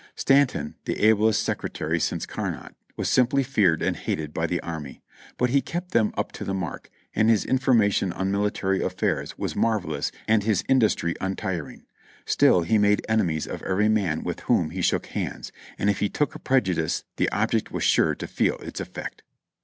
Stanton, the ablest Secretary since Carnot, was simply feared and hated by the army, but he kept them up to the mark, and his information on mihtary affairs was marvelous and his industry untiring; still he made enemies of every man with whom he shook hands, and if he took a prejudice the object was sure to feel its effect.